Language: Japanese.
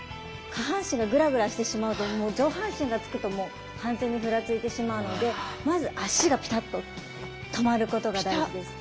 下半身がグラグラしてしまうと上半身がつくともう完全にふらついてしまうのでまず足がピタッと止まることが大事です。